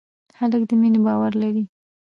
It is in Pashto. هلک د مینې باور لري.